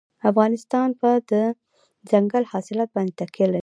افغانستان په دځنګل حاصلات باندې تکیه لري.